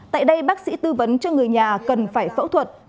tại đây bác sĩ tư vấn cho người nhà cần phải phẫu thuật